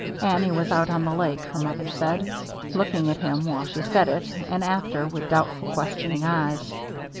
Annie was out on the lake, her mother said, looking at him, while she said it, and after, with doubt ful, questioning eyes.